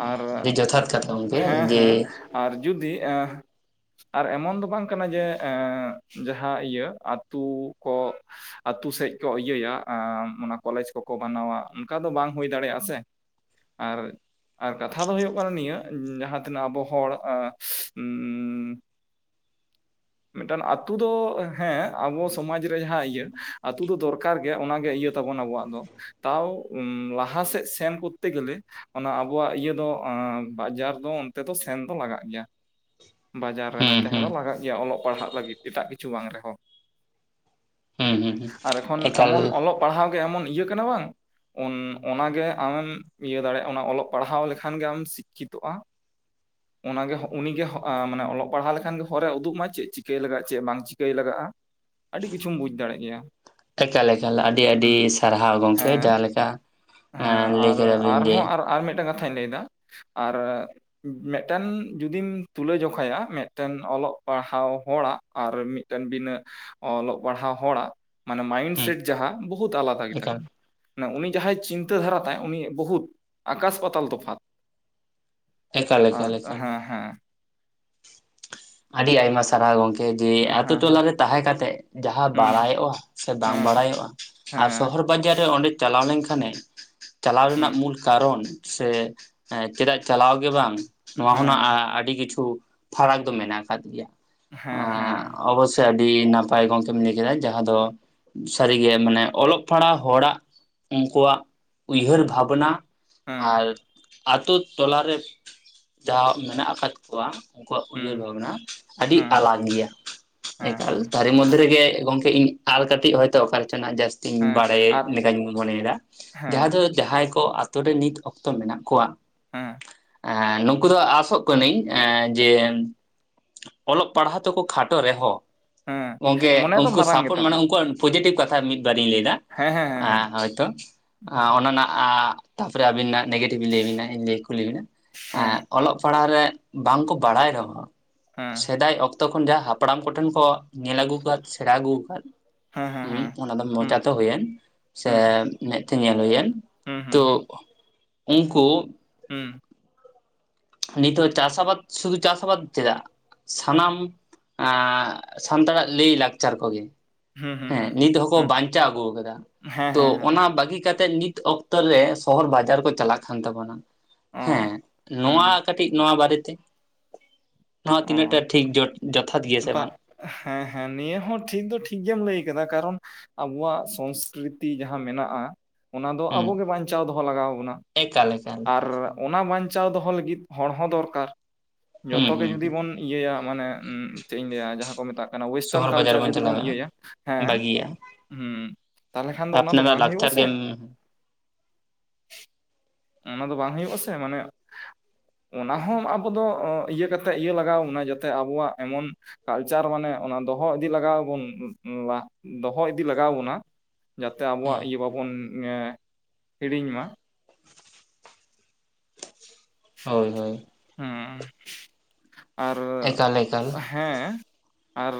[SPEAKER 2] ᱟᱨ
[SPEAKER 1] ᱟᱹᱰᱤ ᱡᱚᱛᱷᱟᱛ ᱠᱟᱛᱷᱟ ᱜᱚᱝᱠᱮ
[SPEAKER 2] ᱦᱮᱸ
[SPEAKER 1] ᱡᱮ
[SPEAKER 2] ᱦᱮᱸ ᱟᱨ ᱡᱩᱫᱤ ᱟᱨ ᱮᱢᱚᱱ ᱫᱚ ᱵᱟᱝ ᱠᱟᱱᱟ ᱡᱮ ᱡᱟᱦᱟ ᱤᱭᱟᱹ ᱟᱛᱩ ᱠᱚ ᱟᱛᱩ ᱥᱮᱜ ᱠᱚ ᱤᱭᱟᱹᱭᱟ ᱮ ᱚᱱᱟ ᱠᱚᱞᱮᱡᱽ ᱠᱚᱠᱚ ᱵᱮᱟᱱᱟᱣᱟ ᱚᱝᱠᱟ ᱫᱚ ᱵᱟᱝ ᱦᱩᱭ ᱫᱟᱲᱮᱭᱟᱜᱼᱟ ᱥᱮ ᱟᱨ ᱟᱨ ᱠᱟᱛᱷᱟ ᱫᱚ ᱦᱩᱭᱩᱜ ᱠᱟᱱᱟ ᱱᱤᱭᱟᱹ ᱡᱟᱦᱟᱸ ᱛᱤᱱᱟᱹᱜ ᱟᱵᱚ ᱦᱚᱲ ᱩᱸ [unintelligible] ᱢᱤᱫᱴᱟᱱ ᱟᱛᱩ ᱫᱚ ᱦᱮᱸ ᱟᱵᱚ ᱥᱚᱢᱟᱡ ᱨᱮ ᱡᱟᱦᱟ ᱤᱭᱟᱹ ᱟᱛᱩ ᱫᱚ ᱫᱚᱨᱠᱟᱨ ᱜᱮ ᱚᱱᱟᱜᱮ ᱤᱭᱟᱹ ᱛᱟᱵᱚᱱ ᱟᱵᱚᱣᱟᱜ ᱫᱚ ᱛᱟᱣ ᱞᱟᱦᱟ ᱥᱮᱫ ᱥᱮᱱ ᱠᱚᱨᱛᱮ ᱜᱮᱞᱮ ᱚᱱᱟ [unintelligible] ᱟᱵᱚᱣᱟᱜ ᱤᱭᱟᱹ ᱫᱚ ᱵᱟᱡᱟᱨ ᱫᱚ ᱚᱱᱛᱮ ᱫᱚ ᱥᱮᱱ ᱫᱚ ᱞᱟᱜᱟᱜ ᱜᱮᱭᱟ ᱵᱟᱡᱟᱨ ᱨᱮᱫᱚ
[SPEAKER 1] ᱦᱩᱸ
[SPEAKER 2] ᱛᱟᱦᱮ
[SPEAKER 1] ᱦᱩᱸ
[SPEAKER 2] ᱫᱚ ᱞᱟᱜᱟᱜ ᱜᱮᱭᱟ ᱚᱞᱚᱜ ᱯᱟᱲᱦᱟᱜ ᱞᱟᱹᱜᱤᱫ ᱮᱴᱟᱜ ᱠᱤᱪᱷᱩ ᱵᱟᱝ ᱨᱮᱦᱚᱸ
[SPEAKER 1] ᱦᱩᱸ ᱦᱩᱸ ᱦᱩᱸ
[SPEAKER 2] ᱟᱨ ᱮᱠᱷᱚᱱ
[SPEAKER 1] ᱮᱠᱟᱞ
[SPEAKER 2] ᱮᱢᱚᱱ ᱚᱞᱚᱜ ᱯᱟᱲᱦᱟᱣ ᱜᱮ ᱮᱢᱚᱱ ᱤᱭᱟᱹ ᱠᱟᱱᱟ ᱵᱟᱝ ᱚᱱ ᱚᱱᱟᱜᱮ ᱟᱢᱮᱢ ᱤᱭᱟᱹ ᱫᱟᱲᱮᱭᱟᱜᱼᱟ ᱚᱱᱟ ᱚᱞᱚᱜ ᱯᱟᱲ ᱯᱟᱲᱦᱟᱣ ᱞᱮᱠᱷᱟᱱ ᱜᱮ ᱟᱢ ᱥᱤᱠᱠᱷᱤᱛᱚᱜᱼᱟ ᱚᱱᱟᱜᱮ ᱩᱱᱤᱜᱮ ᱢᱟᱱᱮ ᱚᱞᱚᱜ ᱯᱟᱲᱦᱟᱣ ᱞᱮᱠᱷᱟᱱ ᱜᱮ ᱦᱚᱨᱮ ᱩᱫᱩᱜ ᱢᱟ ᱪᱮᱜ ᱪᱤᱠᱟᱹᱭ ᱞᱟᱜᱟᱜ ᱪᱮᱜ ᱵᱟᱝ ᱪᱤᱠᱟᱹᱭ ᱞᱟᱜᱟᱜᱼᱟ ᱟᱹᱰᱤ ᱠᱤᱪᱷᱩᱢ ᱵᱩᱡᱽ ᱫᱟᱲᱮᱜ ᱜᱮᱭᱟ
[SPEAKER 1] ᱮᱠᱟᱞ ᱮᱠᱟᱞ ᱟᱹᱰᱤ ᱟᱹᱰᱤ
[SPEAKER 2] ᱦᱩᱸ
[SPEAKER 1] ᱥᱟᱨᱦᱟᱣ ᱜᱚᱝᱠᱮ
[SPEAKER 2] ᱦᱮᱸ
[SPEAKER 1] ᱡᱟᱦᱟ ᱞᱮᱠᱟ
[SPEAKER 2] ᱦᱮᱸ
[SPEAKER 1] ᱞᱟᱹᱭ
[SPEAKER 2] ᱟᱨ
[SPEAKER 1] ᱠᱮᱫᱟᱵᱤᱱ ᱡᱮ
[SPEAKER 2] ᱟᱨᱦᱚᱸ ᱟᱨ ᱟᱨ ᱢᱤᱫᱴᱮᱱ ᱠᱟᱛᱷᱟᱧ ᱞᱟᱹᱭ ᱮᱫᱟ ᱟᱨ ᱢᱤᱫᱴᱮᱱ ᱡᱩᱫᱤᱢ ᱛᱩᱞᱟᱹᱡᱚᱠᱷᱟᱭᱟ ᱢᱤᱫᱴᱮᱱ ᱚᱞᱚᱜ ᱯᱟᱲᱦᱟᱣ ᱦᱚᱲᱟᱜ ᱟᱨ ᱢᱤᱫ ᱴᱮᱱ ᱵᱤᱱᱟᱹ ᱚᱞᱚᱜ ᱯᱟᱲᱦᱟᱣ ᱦᱚᱲᱟᱜ ᱢᱟᱱᱮ ᱢᱟᱭᱤᱱᱰ
[SPEAKER 1] ᱦᱩᱸ
[SPEAKER 2] ᱥᱮᱴ ᱡᱟᱦᱟᱸ ᱵᱚᱦᱩᱛ ᱟᱞᱟᱫᱟ
[SPEAKER 1] ᱮᱠᱟᱞ
[SPEAKER 2] [unintelligible] ᱩᱱᱤ ᱡᱟᱦᱟᱸᱭ ᱪᱤᱱᱛᱟᱹ ᱫᱷᱟᱨᱟ ᱛᱟᱭ ᱩᱱᱤ ᱵᱚᱦᱩᱛ ᱟᱠᱟᱥ ᱯᱟᱛ ᱛᱟᱞ ᱛᱚᱯᱷᱟᱛ
[SPEAKER 1] ᱮᱠᱟᱞ
[SPEAKER 2] ᱟᱨ
[SPEAKER 1] ᱮᱠᱟᱞ ᱮᱠᱟᱞ
[SPEAKER 2] ᱦᱮᱸ ᱦᱮᱸ
[SPEAKER 1] ᱟᱹᱰᱤ ᱟᱭᱢᱟ ᱥᱟᱨᱦᱟᱣ ᱜᱚᱝᱠᱮ ᱡᱮ
[SPEAKER 2] ᱦᱮᱸ
[SPEAKER 1] ᱟᱛᱳ
[SPEAKER 2] ᱦᱮᱸ
[SPEAKER 1] ᱴᱚᱞᱟᱨᱮ ᱛᱟᱦᱮᱸ ᱠᱟᱛᱮᱫ ᱡᱟᱦᱟᱸ
[SPEAKER 2] ᱦᱩᱸ
[SPEAKER 1] ᱵᱟᱲᱟᱭᱚᱜ ᱚ ᱥᱮ ᱵᱟᱝ
[SPEAKER 2] ᱦᱮᱸ
[SPEAKER 1] ᱵᱟᱲᱟᱭᱚᱜᱼᱟ ᱟᱨ
[SPEAKER 2] ᱦᱮᱸ
[SPEAKER 1] ᱥᱚᱦᱚᱨ ᱵᱟᱡᱟᱨ ᱨᱮ ᱚᱸᱰᱮ ᱪᱟᱞᱟᱣ ᱞᱮᱱᱠᱷᱟᱱᱮ ᱪᱟᱞᱟᱣ ᱨᱮᱱᱟᱜ
[SPEAKER 2] ᱦᱩᱸ
[SPEAKER 1] ᱢᱩᱞ ᱠᱟᱨᱚᱱ ᱥᱮ ᱪᱮᱫᱟᱜ ᱪᱟᱞᱟᱣ ᱜᱮ ᱵᱟᱝ ᱱᱚᱣᱟ ᱦᱚᱱᱟᱜ
[SPEAKER 2] ᱦᱮᱸ
[SPEAKER 1] ᱟᱹᱰᱤ ᱠᱤᱪᱷᱩ ᱯᱷᱟᱨᱟᱠ ᱫᱚ ᱢᱮᱱᱟᱜ ᱟᱠᱟᱫ ᱜᱮᱭᱟ ᱮ
[SPEAKER 2] ᱦᱮᱸ ᱦᱮᱸ
[SPEAKER 1] ᱚᱵᱚᱥᱭ ᱟᱹᱰᱤ ᱱᱟᱯᱟᱭ ᱜᱚᱝᱠᱮᱢ ᱞᱟᱹᱭ ᱠᱮᱫᱟ ᱡᱟᱦᱟᱸ ᱫᱚ ᱥᱟᱹᱨᱤᱜᱮ ᱢᱟᱱᱮ ᱚᱞᱚᱜ ᱯᱟᱲᱦᱟᱜ ᱦᱚᱲᱟᱜ ᱩᱱᱠᱩᱣᱟᱜ ᱩᱭᱦᱟᱹᱨ ᱵᱷᱟᱵᱽᱱᱟ
[SPEAKER 2] ᱦᱮᱸ
[SPEAKER 1] ᱟᱨ ᱟᱛᱳ ᱴᱚᱞᱟ ᱨᱮ ᱡᱟᱦᱟᱸ ᱢᱮᱱᱟᱜ ᱟᱠᱟᱫ ᱠᱚᱣᱟ ᱩᱱᱠᱩᱣᱟᱜ
[SPEAKER 2] ᱦᱩᱸ
[SPEAKER 1] ᱩᱭᱦᱟᱹᱨ ᱵᱷᱟᱵᱽᱱᱟ ᱟᱹᱰᱤ
[SPEAKER 2] ᱦᱮᱸ
[SPEAKER 1] ᱟᱞᱟᱜ ᱜᱮᱭᱟ᱾ ᱮᱠᱟᱞ
[SPEAKER 2] ᱦᱮᱸ
[SPEAKER 1] ᱛᱟᱹᱨᱤ ᱢᱚᱫᱽᱫᱷᱮ ᱨᱮᱜᱮ ᱜᱚᱝᱠᱮ ᱤ [unintelligible] ᱠᱟᱹᱴᱤᱡ ᱦᱚᱭᱛᱳ [unintelligible] ᱡᱟᱹᱥ [unintelligible] ᱤᱧ
[SPEAKER 2] ᱦᱮᱸ
[SPEAKER 1] ᱵᱟᱲᱟᱭ
[SPEAKER 2] ᱟᱨ
[SPEAKER 1] ᱞᱮᱠᱟᱧ ᱢᱚᱱᱮᱭᱮᱫᱟ ᱡᱟᱦᱟᱸ
[SPEAKER 2] ᱦᱮᱸ
[SPEAKER 1] ᱫᱚ ᱡᱟᱦᱟᱸᱭ ᱠᱚ ᱟᱛᱳ ᱨᱮ ᱱᱤᱛ ᱚᱠᱛᱚ ᱢᱮᱱᱟᱜ ᱠᱚᱣᱟ
[SPEAKER 2] ᱦᱮᱸ
[SPEAKER 1] ᱮ ᱱᱩᱠᱩ ᱫᱚ ᱟᱥᱚᱜ ᱠᱟᱹᱱᱟᱹᱧ ᱮᱸ- ᱡᱮ ᱚᱞᱚᱜ ᱯᱟᱲᱦᱟᱣ ᱛᱮᱠᱚ ᱠᱷᱟᱴᱚ ᱨᱮᱦᱚᱸ
[SPEAKER 2] ᱦᱮᱸ
[SPEAKER 1] ᱜᱚᱝᱠᱮ
[SPEAKER 2] ᱢᱚᱱᱮ ᱫᱚ
[SPEAKER 1] ᱩᱱᱠᱩ
[SPEAKER 2] ᱢᱟᱨᱟᱝ
[SPEAKER 1] ᱥᱟᱯᱳᱚᱴ
[SPEAKER 2] ᱜᱮᱛᱟ ᱠᱚᱣᱟ
[SPEAKER 1] ᱢᱟᱱᱮ ᱩᱱᱠᱩᱣᱟᱜ [inaudible] ᱯᱚᱡᱮᱴᱤᱵᱽ ᱠᱟᱛᱷᱟ ᱢᱤᱫ ᱵᱟᱨᱤᱧ ᱞᱟᱹᱭ ᱮᱫᱟ
[SPEAKER 2] ᱦᱮᱸ ᱦᱮᱸ ᱦᱮᱸ
[SPEAKER 1] ᱮ
[SPEAKER 2] ᱦᱮᱸ
[SPEAKER 1] ᱦᱚᱳᱭᱛᱚ ᱚᱱᱟ ᱱᱟᱜ ᱛᱟᱯᱚᱨᱮ ᱟᱵᱤᱱᱟᱜ ᱱᱮᱜᱮᱴᱤᱵᱷᱧ ᱞᱟᱹᱭ ᱟᱵᱤᱱᱟ ᱤᱧ ᱞᱟᱹᱭ ᱠᱩᱞᱤ ᱵᱮᱤᱱᱟ
[SPEAKER 2] ᱦᱮᱸ
[SPEAKER 1] ᱚᱞᱚᱜ ᱯᱟᱲᱦᱟᱜ ᱨᱮ ᱵᱟᱝ ᱠᱚ ᱵᱟᱲᱟᱭ ᱨᱮᱦᱚᱸ ᱥᱮᱫᱟᱭ ᱚᱠᱛᱚ ᱠᱷᱚᱱ ᱡᱟᱦᱟᱸ ᱦᱟᱯᱲᱟᱢ ᱠᱚᱴᱷᱮᱱ ᱠᱚ ᱧᱮᱞ ᱟᱹᱜᱩ ᱟᱠᱟᱫ ᱥᱮᱲᱟ ᱟᱹᱜᱩ ᱟᱠᱟᱫ
[SPEAKER 2] ᱦᱮᱸ ᱦᱮᱸ ᱦᱮᱸ
[SPEAKER 1] [unintelligible] ᱚᱱᱟ ᱫᱚ
[SPEAKER 2] ᱦᱮᱸ
[SPEAKER 1] ᱢᱚᱪᱟᱛᱮ ᱦᱩᱭᱮᱱ ᱥᱮ ᱢᱮᱫᱛᱮ ᱧᱮᱞ ᱦᱩᱭᱮᱱ
[SPEAKER 2] ᱦᱩᱸ ᱦᱩᱸ
[SPEAKER 1] ᱛᱳ
[SPEAKER 2] ᱦᱩᱸ ᱦᱩᱸ ᱦᱩᱸ
[SPEAKER 1] ᱩᱱᱠᱩ
[SPEAKER 2] ᱦᱩᱸ
[SPEAKER 1] ᱱᱤᱛᱚᱜ ᱪᱟᱥ ᱟᱵᱟᱫ ᱥᱩᱫᱷᱩ ᱪᱟᱥ ᱟᱵᱟᱫ ᱪᱮᱫᱟᱜ ᱥᱟᱱᱟᱢ ᱮᱸ ᱥᱟᱱᱛᱟᱲᱟᱜ ᱞᱟᱹᱭ ᱞᱟᱠᱪᱟᱨ ᱠᱚᱜᱮ᱾
[SPEAKER 2] ᱦᱩᱸ ᱦᱩᱸ
[SPEAKER 1] ᱦᱮᱸ
[SPEAKER 2] ᱦᱩᱸ
[SPEAKER 1] ᱱᱤᱛ ᱦᱚᱸᱠᱚ
[SPEAKER 2] ᱦᱩᱸ
[SPEAKER 1] ᱵᱟᱧᱪᱟᱣ ᱟᱹᱜᱩ ᱟᱠᱟᱫᱟ
[SPEAKER 2] ᱦᱮᱸ
[SPEAKER 1] ᱛᱚ
[SPEAKER 2] ᱦᱮᱸ ᱦᱮᱸ
[SPEAKER 1] ᱚᱱᱟ ᱵᱟᱹᱜᱤ ᱠᱟᱛᱮ ᱱᱤᱛ ᱚᱠᱛᱚ ᱨᱮ ᱥᱚᱦᱚᱨ ᱵᱟᱡᱟᱨ ᱠᱚ ᱪᱟᱞᱟᱜ ᱠᱟᱱ ᱛᱟᱵᱚᱱᱟ
[SPEAKER 2] ᱚ
[SPEAKER 1] ᱦᱮᱸ ᱱᱚᱣᱟ
[SPEAKER 2] ᱦᱩᱸ
[SPEAKER 1] ᱠᱟᱹᱴᱤᱡ ᱱᱚᱣᱟ ᱵᱟᱨᱮᱛᱮ ᱱᱚᱣᱟ ᱛᱤᱱᱟᱹᱜ ᱴᱟ
[SPEAKER 2] ᱚ
[SPEAKER 1] ᱴᱷᱤᱠ ᱡᱚ ᱡᱚᱛᱷᱟᱛ ᱜᱮᱭᱟ ᱥᱮ
[SPEAKER 2] ᱵᱟᱜ
[SPEAKER 1] ᱵᱟᱝ
[SPEAKER 2] ᱦᱮᱸ ᱦᱮᱸ ᱱᱤᱭᱟᱹ ᱦᱚᱸ ᱴᱷᱤᱠ ᱫᱚ ᱴᱷᱤᱠ ᱜᱮᱢ ᱞᱟᱹᱭ ᱟᱠᱟᱫᱟ ᱠᱟᱨᱚᱱ ᱟᱵᱚᱣᱟᱜ ᱥᱚᱸ ᱥᱠᱨᱤᱛᱤ ᱡᱟᱦᱟᱸ ᱢᱮᱱᱟᱜᱼᱟ ᱚᱱᱟ ᱫᱚ
[SPEAKER 1] ᱦᱩᱸ
[SPEAKER 2] ᱟᱵᱚ ᱜᱮ ᱵᱟᱧᱪᱟᱣ ᱫᱚᱦᱚ ᱞᱟᱜᱟᱣ ᱟᱵᱚᱱᱟ
[SPEAKER 1] ᱮᱠᱟᱞ ᱮᱠᱟᱞ
[SPEAKER 2] ᱟᱨ ᱚᱱᱟ ᱵᱟᱧᱪᱟᱣ ᱫᱚᱦᱚ ᱞᱟᱹᱜᱤᱫ ᱦᱚᱲ ᱦᱚᱸ ᱫᱚᱨᱠᱟᱨ ᱡᱚᱛᱚ
[SPEAKER 1] ᱦᱩᱸ
[SPEAKER 2] ᱜᱮ
[SPEAKER 1] ᱦᱩᱸ
[SPEAKER 2] ᱡᱩᱫᱤ ᱵᱚᱱ ᱤᱭᱟᱹᱭᱟ ᱢᱟᱱᱮ ᱩᱢ ᱪᱮᱫ ᱤᱧ ᱞᱟᱹᱭᱟ ᱡᱟᱦᱟᱸ ᱠᱚ ᱢᱮᱛᱟᱜ [unintelligible] ᱳᱭᱮᱥᱴᱟᱨᱱ
[SPEAKER 1] ᱥᱚᱦᱚᱨ ᱵᱟᱡᱟᱨ
[SPEAKER 2] ᱠᱟᱞᱪᱟᱨ ᱡᱩᱫᱤ ᱵᱚᱱ
[SPEAKER 1] ᱪᱟᱞᱟᱜᱼᱟ
[SPEAKER 2] ᱤᱭᱟᱹᱭᱟ ᱦᱮᱸ
[SPEAKER 1] ᱵᱟᱹᱜᱤᱭᱟ
[SPEAKER 2] ᱦᱩᱢ ᱛᱟᱞᱦᱮ ᱠᱷᱟᱱ ᱫᱚ ᱚᱱᱟ ᱫᱚ
[SPEAKER 1] ᱟᱯᱱᱟᱨᱟᱜ
[SPEAKER 2] ᱵᱟᱝ ᱦᱳᱭᱳᱜ-ᱟ
[SPEAKER 1] ᱞᱟᱠᱪᱟᱨ
[SPEAKER 2] ᱥᱮ
[SPEAKER 1] ᱜᱮᱢ
[SPEAKER 2] ᱚᱱᱟ ᱫᱚ ᱵᱟᱝ ᱦᱳᱭᱳᱜᱼᱟ ᱥᱮ ᱢᱟᱱᱮ ᱚᱱᱟᱦᱚ ᱟᱵᱚ ᱫᱚ ᱤᱭᱟᱹ ᱠᱟᱛᱮ ᱤᱭᱟᱹ ᱞᱟᱜᱟᱣ ᱟᱵᱚᱱᱟ ᱡᱟᱛᱮ ᱟᱵᱚᱣᱟᱜ ᱮᱢᱚᱱ ᱠᱟᱞᱪᱟᱨ ᱢᱟᱱᱮ ᱚᱱᱟ ᱫᱚᱦᱚ ᱤᱫᱤ ᱞᱟᱜᱟᱣᱟᱵᱚᱱ ᱫᱚᱦᱚ ᱤᱫᱤ ᱞᱟᱜᱟᱣ ᱵᱚᱱᱟ ᱡᱟᱛᱮ ᱟᱵᱚᱣᱟᱜ
[SPEAKER 1] ᱦᱮᱸ
[SPEAKER 2] ᱤᱭᱟᱹ ᱵᱟᱵᱚᱱ ᱮ ᱦᱤᱲᱤᱧ ᱢᱟ᱾
[SPEAKER 1] ᱦᱳᱭ ᱦᱳᱭ᱾
[SPEAKER 2] ᱦᱩᱸ ᱟᱨ
[SPEAKER 1] ᱮᱠᱟᱞ ᱮᱠᱟᱞ
[SPEAKER 2] ᱦᱮᱸ ᱟᱨ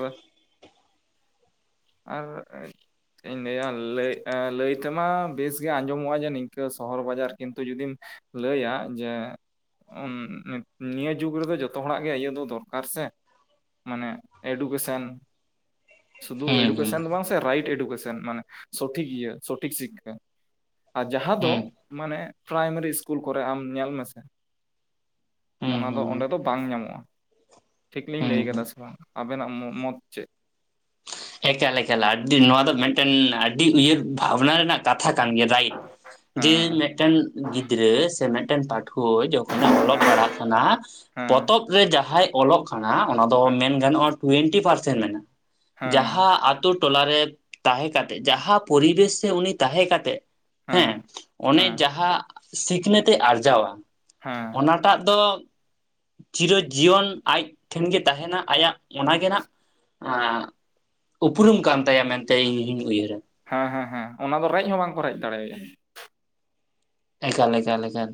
[SPEAKER 2] ᱟᱨ ᱪᱮᱫ ᱤᱧ ᱞᱟᱹᱭᱟ ᱞᱟᱹᱭ ᱞᱟᱹᱭ ᱛᱮᱢᱟ ᱵᱮᱥᱜᱮ ᱟᱸᱡᱚᱢᱚᱜᱼᱟ ᱡᱟᱱᱤᱡ ᱱᱤᱝᱠᱟᱹ ᱥᱚᱦᱚᱨ ᱵᱟᱡᱟᱨ ᱠᱤᱱᱛᱩ ᱡᱩᱫᱤᱢ ᱞᱟᱹᱭᱟ ᱡᱮ ᱱᱤᱭᱟᱹ ᱡᱩᱜᱽ ᱨᱮᱫᱚ ᱡᱚᱛᱚ ᱦᱚᱲᱟᱜ ᱜᱮ ᱤᱭᱟᱹ ᱫᱚ ᱫᱚᱨᱠᱟᱨ ᱥᱮ ᱢᱟᱱᱮ ᱮᱰᱩᱠᱮᱥᱮᱱ ᱥᱩᱫᱷᱩ ᱮᱰᱩ
[SPEAKER 1] ᱦᱩᱸ ᱦᱩᱸ
[SPEAKER 2] ᱵᱟᱝ ᱥᱮ ᱨᱟᱭᱤᱴ ᱮᱰᱩᱠᱮᱥᱚᱱ ᱢᱟᱱᱮ ᱥᱚᱴᱷᱤᱠ ᱤᱭᱟᱹ ᱥᱚᱴᱷᱤᱠ ᱥᱤᱠᱷᱟ᱾ ᱟᱨ ᱡᱟᱦᱟᱸ ᱫᱚ
[SPEAKER 1] ᱦᱩᱸ
[SPEAKER 2] ᱢᱟᱱᱮ ᱯᱨᱟᱭᱢᱟᱨᱤ ᱤᱥᱠᱩᱞ ᱠᱚᱨᱮ ᱟᱢ ᱧᱮᱞ ᱢᱮᱥᱮ
[SPEAKER 1] ᱦᱩᱸ
[SPEAKER 2] ᱚᱱᱟ ᱫᱚ
[SPEAKER 1] ᱦᱩᱸ
[SPEAKER 2] ᱚᱸᱰᱮ ᱫᱚ ᱵᱟᱝ ᱧᱟᱢᱚᱜᱼᱟ ᱴᱷᱤᱠ ᱞᱤᱧ
[SPEAKER 1] ᱦᱩᱸ
[SPEAKER 2] ᱞᱟᱹᱭ
[SPEAKER 1] ᱦᱩᱸ
[SPEAKER 2] ᱠᱟᱫᱟ ᱥᱮ ᱵᱟᱝ ᱟᱵᱮᱱᱟᱜ ᱢᱚ ᱢᱚᱛ ᱪᱮᱫ
[SPEAKER 1] ᱮᱠᱟᱞ ᱮᱠᱟᱞ ᱟᱹᱰᱤ ᱱᱚᱣᱟ ᱫᱚ ᱢᱤᱫᱴᱮᱱ ᱟᱹᱰᱤ ᱩᱭᱦᱟᱹᱨ ᱵᱷᱟᱵᱽᱱᱟ ᱨᱮᱱᱟᱜ ᱠᱟᱛᱷᱟ ᱠᱟᱱ ᱜᱮᱭᱟ ᱨᱟᱭᱤᱴ ᱡᱮ
[SPEAKER 2] ᱦᱮᱸ
[SPEAKER 1] ᱢᱤᱫᱴᱮᱱ ᱜᱤᱫᱽᱨᱟᱹ ᱥᱮ ᱢᱤᱫᱴᱮᱱ ᱯᱟᱴ ᱦᱚᱭ ᱡᱚᱠᱷᱚᱱᱮ ᱚᱞᱚᱜ ᱯᱟᱲᱦᱟᱜ ᱠᱟᱱᱟ
[SPEAKER 2] ᱦᱮᱸ
[SPEAKER 1] ᱯᱚᱛᱚᱵ ᱨᱮ ᱡᱟᱦᱟᱸᱭ ᱚᱞᱚᱜ ᱠᱟᱱᱟ ᱚᱱᱟ ᱫᱚ
[SPEAKER 2] ᱦᱮᱸ
[SPEAKER 1] ᱢᱮᱱ ᱜᱟᱱᱚᱜᱼᱟ ᱴᱩᱭᱮᱱᱴᱤ ᱯᱟᱨᱥᱮᱱ ᱢᱮᱱᱟᱜᱼᱟ
[SPEAKER 2] ᱦᱮᱸ ᱦᱮᱸ
[SPEAKER 1] ᱡᱟᱦᱟᱸ ᱟᱛᱳ ᱴᱚᱞᱟᱨᱮ ᱛᱟᱦᱮᱸ ᱠᱟᱛᱮᱜ ᱡᱟᱦᱟᱸ ᱯᱚᱨᱤᱵᱮᱥ ᱨᱮ ᱩᱱᱤ ᱛᱟᱦᱮᱸ ᱠᱟᱛᱮᱜ ᱦᱮᱸ ᱚᱱᱮ ᱡᱟᱦᱟᱸ ᱥᱤᱠᱷᱱᱟᱹᱛ ᱮ ᱟᱨᱡᱟᱣᱟ
[SPEAKER 2] ᱦᱮᱸ
[SPEAKER 1] ᱚᱱᱟ ᱴᱟᱜ ᱫᱚ ᱪᱤᱨᱚ ᱡᱤᱭᱚᱱ ᱟᱡ ᱴᱷᱮᱱ ᱜᱮ ᱛᱟᱦᱮᱱᱟ ᱟᱭᱟᱜ ᱚᱱᱟᱜᱮ ᱦᱟᱸᱜ ᱩᱯᱨᱩᱢ ᱠᱟᱱ ᱛᱟᱭᱟ ᱢᱮᱱᱛᱮ ᱤᱧ ᱤᱧ ᱩᱭᱦᱟᱹᱨᱟ
[SPEAKER 2] ᱦᱮᱸ ᱦᱮᱸ ᱦᱮᱸ ᱚᱱᱟ ᱫᱚ ᱨᱮᱡ ᱦᱚᱸ ᱵᱟᱝ ᱠᱚ ᱨᱮᱡ ᱫᱟᱲᱮᱭᱟᱭᱟ
[SPEAKER 1] ᱮᱠᱟᱞ ᱮᱠᱟᱞ ᱮᱠᱟᱞ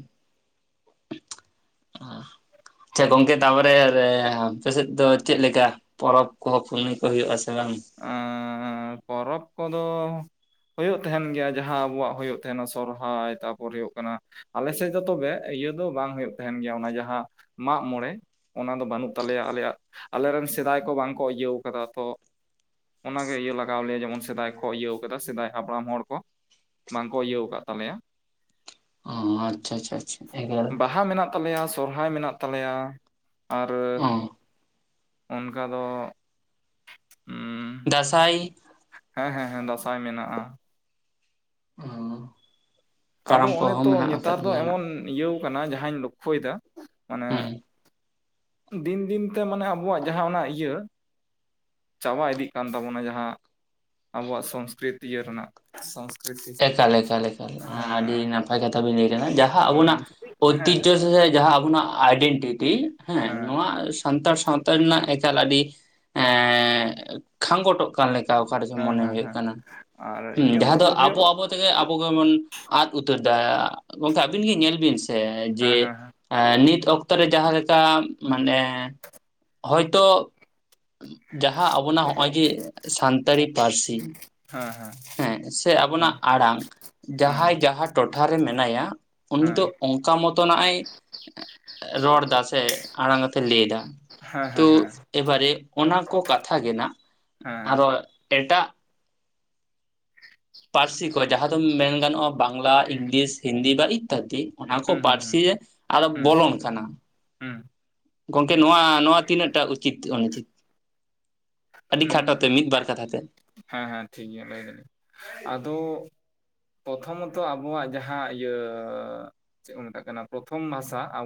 [SPEAKER 2] [inaudible]
[SPEAKER 1] ᱟᱪ ᱪᱷᱟ ᱜᱚᱝᱠᱮ ᱛᱟᱯᱚᱨᱮ ᱟᱯᱮ ᱥᱮᱫ ᱫᱚ ᱪᱮᱫ ᱞᱮᱠᱟ ᱯᱚᱨᱚᱵᱽ ᱠᱚ ᱯᱩᱱᱟᱹᱭ ᱠᱚ ᱦᱩᱭᱩᱜ ᱟᱥᱮ ᱵᱟᱝ
[SPEAKER 2] ᱚᱸᱻ ᱯᱚᱨᱚᱵᱽ ᱠᱚ ᱫᱚ ᱦᱩᱭᱩᱜ ᱛᱟᱦᱮᱱ ᱜᱮᱭᱟ ᱡᱟᱦᱟᱸ ᱟᱵᱚᱣᱟᱜ ᱦᱩᱭᱩᱜ ᱛᱟᱦᱮᱱᱟ ᱥᱚᱨᱦᱟᱭ ᱛᱟᱯᱚᱨ ᱦᱩᱭᱩᱜ ᱠᱟᱱᱟ ᱟᱞᱮ ᱥᱮᱫ ᱫᱚ ᱛᱚᱵᱮ ᱤᱭᱟᱹ ᱫᱚ ᱵᱟᱝ ᱦᱩᱭᱩᱜ ᱛᱟᱦᱮᱱ ᱜᱮᱭᱟ ᱚᱱᱟ ᱡᱟᱦᱟᱸ ᱢᱟᱜ ᱢᱚᱬᱮ ᱚᱱᱟ ᱫᱚ ᱵᱟᱹᱱᱩᱜ ᱛᱟᱞᱮᱭᱟ ᱟᱞᱮᱭᱟᱜ ᱟᱞᱮᱨᱮᱱ ᱥᱮᱫᱟᱭ ᱠᱚ ᱵᱟᱝ ᱠᱚ ᱤᱭᱟᱹᱣ ᱠᱟᱫᱟ ᱛᱚ ᱚᱱᱟᱜᱮ ᱤᱭᱟᱹ ᱞᱟᱜᱟᱣ ᱞᱮᱭᱟ ᱡᱮᱢᱚᱱ ᱥᱮᱫᱟᱭ ᱠᱚ ᱤᱭᱟᱹᱣ ᱠᱟᱫᱟ ᱥᱮᱫᱟᱭ ᱦᱟᱯᱲᱟᱢ ᱦᱚᱲ ᱠᱚ ᱵᱟᱝᱠᱚ ᱤᱭᱟᱹᱣ ᱟᱠᱟᱫ ᱛᱟᱞᱮᱭᱟ
[SPEAKER 1] ᱚ ᱟᱪᱷᱟ ᱟᱪᱷᱟ ᱟᱪᱷᱟ ᱮᱜᱮᱨ
[SPEAKER 2] ᱵᱟᱦᱟ ᱢᱮᱱᱟᱜ ᱛᱟᱞᱮᱭᱟ ᱥᱚᱨᱦᱟᱭ ᱢᱮᱱᱟᱜ ᱛᱟᱞᱮᱭᱟ ᱟᱨ
[SPEAKER 1] ᱚ
[SPEAKER 2] ᱚᱱᱠᱟ ᱫᱚ ᱩᱸ
[SPEAKER 1] ᱫᱟᱸᱥᱟᱭ
[SPEAKER 2] ᱦᱮᱸ ᱦᱮᱸ ᱦᱮᱸ ᱫᱟᱸᱥᱟᱭ ᱢᱮᱱᱟᱜᱼᱟ
[SPEAKER 1] [inaudible]
[SPEAKER 2] ᱟᱫᱚ
[SPEAKER 1] ᱠᱟᱨᱟᱢ
[SPEAKER 2] ᱚᱱᱮ
[SPEAKER 1] ᱠᱚᱦᱚᱸ
[SPEAKER 2] ᱛᱚ
[SPEAKER 1] ᱢᱮᱱᱟᱜ ᱟᱠᱟᱫ
[SPEAKER 2] ᱱᱮᱛᱟᱨ ᱫᱚ
[SPEAKER 1] ᱜᱮᱭᱟ ᱱᱟᱜ
[SPEAKER 2] ᱮᱢᱚᱱ ᱤᱭᱟᱹᱣ ᱠᱟᱱᱟ ᱡᱟᱦᱟᱸᱧ ᱞᱚᱠᱷᱚᱭᱮᱫᱟ ᱢᱟᱱᱮ
[SPEAKER 1] ᱦᱩᱸ
[SPEAKER 2] ᱫᱤᱱ ᱫᱤᱱ ᱛᱮ ᱢᱟᱱᱮ ᱟᱵᱚᱣᱟᱜ ᱡᱟᱦᱟᱸ ᱚᱱᱟ ᱤᱭᱟᱹ ᱪᱟᱵᱟ ᱤᱫᱤᱜ ᱠᱟᱱ ᱛᱟᱵᱚᱱᱟ ᱡᱟᱦᱟᱸ ᱟᱵᱚᱣᱟᱜ ᱥᱚᱝᱥᱠᱤᱨᱤᱛ ᱤᱭᱟᱹ ᱨᱮᱱᱟᱜ ᱥᱚᱝᱥᱠᱤᱨᱤᱛᱤ
[SPEAKER 1] ᱮᱠᱟᱞ ᱮᱠᱟᱞ ᱮᱠᱟᱞ ᱟᱹᱰᱤ ᱱᱟᱯᱟᱭ ᱠᱟᱛᱷᱟ ᱵᱤᱱ ᱞᱟᱹᱭ ᱠᱟᱱᱫᱟ ᱡᱟᱦᱟᱸ ᱟᱵᱚᱱᱟᱜ
[SPEAKER 2] ᱦᱮᱸ ᱦᱮᱸ
[SPEAKER 1] ᱚᱭᱛᱤᱡᱚ ᱥᱮ ᱥᱮ ᱡᱟᱦᱟᱸ ᱟᱵᱚᱱᱟᱜ ᱟᱭᱰᱮᱱᱴᱤᱴᱤ ᱦᱮᱸ ᱱᱚᱣᱟ ᱥᱟᱱᱛᱟᱲ ᱥᱟᱶᱛᱟ ᱨᱮᱱᱟᱜ ᱮᱠᱟᱞ ᱟᱹᱰᱤ ᱮ ᱠᱷᱟᱸᱜᱚᱴᱚᱜ ᱠᱟᱱ ᱞᱮᱠᱟ ᱚᱠᱟ ᱨᱮᱪᱚ
[SPEAKER 2] ᱦᱮᱸ
[SPEAKER 1] ᱢᱚᱱᱮ
[SPEAKER 2] ᱦᱮᱸ
[SPEAKER 1] ᱦᱩᱭᱩᱜ
[SPEAKER 2] ᱦᱮᱸ
[SPEAKER 1] ᱠᱟᱱᱟ
[SPEAKER 2] ᱟᱨ ᱤᱧᱟᱹᱜ
[SPEAKER 1] ᱡᱟᱦᱟᱸ
[SPEAKER 2] ᱢᱚᱛ
[SPEAKER 1] ᱫᱚ ᱟᱵᱚ [inaudible]
[SPEAKER 2] ᱦᱩᱭᱩᱜ
[SPEAKER 1] ᱟᱵᱚ ᱛᱮᱜᱮ ᱟᱵᱚ ᱜᱮᱵᱚᱱ ᱟᱫ ᱩᱛᱟᱹᱨ ᱫᱟ ᱜᱚᱢᱠᱮ ᱟᱹᱵᱤᱱ ᱜᱮ ᱧᱮᱞ ᱵᱤᱱ ᱥᱮ ᱡᱮ
[SPEAKER 2] ᱦᱮᱸ ᱦᱮᱸ
[SPEAKER 1] ᱮ ᱱᱤᱛ ᱚᱠᱛᱚ ᱨᱮ ᱡᱟᱦᱟ ᱞᱮᱠᱟ ᱢᱟᱱᱮ ᱦᱚᱭᱛᱚ ᱡᱟᱦᱟᱸ ᱟᱵᱚᱱᱟᱜ ᱱᱚᱜᱼᱚᱭ ᱡᱮ ᱥᱟᱱᱛᱟᱲᱤ ᱯᱟᱹᱨᱥᱤ ᱦᱮᱸ ᱥᱮ
[SPEAKER 2] ᱦᱮᱸ
[SPEAKER 1] ᱟᱵᱚᱱᱟᱜ ᱟᱲᱟᱝ ᱡᱟᱦᱟᱸᱭ
[SPEAKER 2] ᱦᱮᱸ
[SPEAKER 1] ᱡᱟᱦᱟᱸ ᱴᱚᱴᱷᱟᱨᱮ ᱢᱮᱱᱟᱭᱟ ᱩᱱᱤ ᱫᱚ ᱚᱱᱠᱟ ᱢᱚᱛᱚᱱᱟᱜ ᱮ ᱨᱚᱲᱫᱟ ᱥᱮ ᱟᱲᱟᱝ ᱟᱛᱮ ᱞᱟᱹᱭ ᱮᱫᱟ
[SPEAKER 2] ᱦᱮᱸ ᱦᱮᱸ ᱦᱮᱸ
[SPEAKER 1] ᱮᱵᱟᱨᱮ ᱚᱱᱟ ᱠᱚ ᱠᱟᱛᱷᱟ ᱜᱮ ᱱᱟᱜ
[SPEAKER 2] ᱦᱮᱸ
[SPEAKER 1] ᱟᱨᱚ ᱮᱴᱟᱜ ᱯᱟᱹᱨᱥᱤ ᱠᱚ ᱡᱟᱦᱟᱸ ᱫᱚ ᱢᱮᱱ ᱜᱟᱱᱚᱜᱼᱟ ᱵᱟᱝᱞᱟ ᱤᱝᱞᱤᱥ ᱦᱤᱱᱫᱤ ᱵᱟ [inaudible] [inaudible] ᱚᱱᱟ ᱠᱚ
[SPEAKER 2] ᱦᱩᱸ ᱦᱩᱸ ᱦᱩᱸ
[SPEAKER 1] ᱯᱟᱹᱨᱥᱤ ᱨᱮ ᱟᱨᱚᱢ
[SPEAKER 2] ᱦᱩᱸ
[SPEAKER 1] ᱵᱚᱞᱚᱱ ᱠᱟᱱᱟ
[SPEAKER 2] ᱦᱩᱸ
[SPEAKER 1] ᱜᱚᱝᱠᱮ ᱱᱚᱣᱟ ᱱᱚᱣᱟ ᱛᱤᱱᱟᱹᱜ ᱴᱟ ᱩᱪᱤᱛ ᱚᱱᱤ ᱪᱤᱛ ᱟᱹᱰᱤ ᱠᱷᱟᱴᱚ ᱛᱮ
[SPEAKER 2] ᱦᱩᱸ
[SPEAKER 1] ᱢᱤᱫ ᱵᱟᱨ ᱠᱟᱛᱷᱟ ᱛᱮ᱾
[SPEAKER 2] ᱦᱮᱸ ᱦᱮᱸ ᱴᱷᱤᱠ ᱜᱤᱭᱟ ᱞᱟᱹᱭ ᱫᱟᱹᱞᱤᱧ ᱟᱫᱚ ᱯᱚᱛᱷᱚᱢᱚᱛᱚ ᱟᱵᱚᱣᱟᱜ ᱡᱟᱦᱟᱸ ᱤᱭᱟᱹ ᱪᱮᱜ ᱠᱚ ᱢᱮᱛᱟᱜ ᱠᱟᱱᱟ ᱯᱚᱛᱷᱚᱢ ᱵᱷᱟᱥᱟ ᱟᱵᱚᱣᱟᱜ